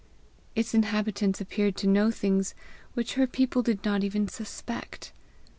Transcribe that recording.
Its inhabitants appeared to know things which her people did not even suspect.